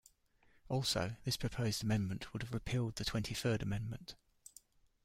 Also, this proposed amendment would have repealed the Twenty-third Amendment.